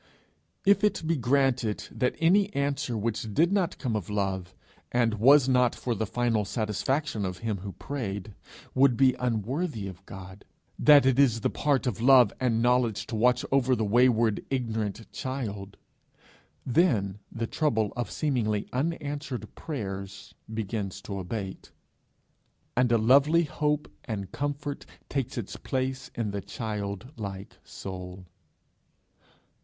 If it be granted that any answer which did not come of love, and was not for the final satisfaction of him who prayed, would be unworthy of God; that it is the part of love and knowledge to watch over the wayward, ignorant child; then the trouble of seemingly unanswered prayers begins to abate, and a lovely hope and comfort takes its place in the child like soul.